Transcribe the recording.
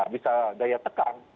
bisa daya tekan